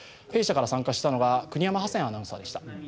弊社から参加したのが国山ハセンアナウンサーでした。